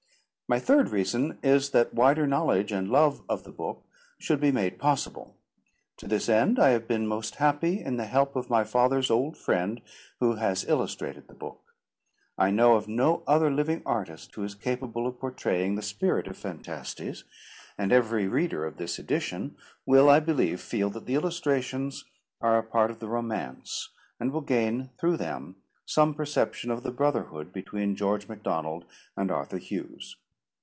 My third reason is that wider knowledge and love of the book should be made possible. To this end I have been most happy in the help of my father's old friend, who has illustrated the book. I know of no other living artist who is capable of portraying the spirit of Phantastes; and every reader of this edition will, I believe, feel that the illustrations are a part of the romance, and will gain through them some perception of the brotherhood between George MacDonald and Arthur Hughes.